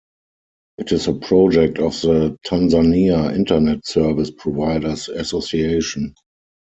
It is a project of the Tanzania Internet Service Providers Association.